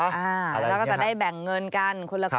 แล้วก็จะได้แบ่งเงินกันคนละคน